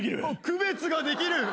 区別ができる。